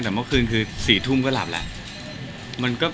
แต่เมื่อคืนคือ๔ทุ่มก็หลับแล้ว